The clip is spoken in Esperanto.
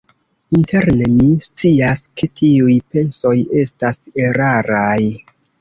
Interne mi scias ke tiuj pensoj estas eraraj.